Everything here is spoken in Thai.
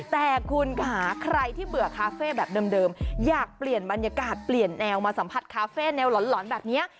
แต่คุณค่ะใครที่เบื่อคาเฟ่แบบเดิมอยากเปลี่ยนบรรยากาศเปลี่ยนแนวมาสัมผัสคาเฟ่แนวหลอนแบบนี้